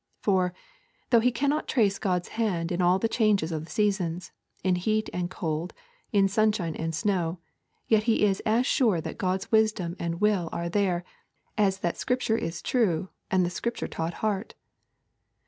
For, though he cannot trace God's hand in all the changes of the seasons, in heat and cold, in sunshine and snow, yet he is as sure that God's wisdom and will are there as that Scripture is true and the Scripture taught heart.